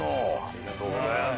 おめでとうございます！